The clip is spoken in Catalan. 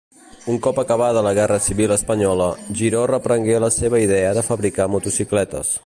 Un cop acabada la guerra civil espanyola, Giró reprengué la seva idea de fabricar motocicletes.